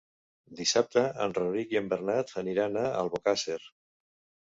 Dissabte en Rauric i en Bernat aniran a Albocàsser.